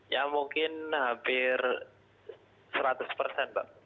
ya mungkin hampir seratus persen mbak